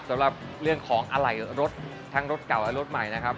สำหรับเรื่องของอะไหล่รถทั้งรถเก่าและรถใหม่นะครับ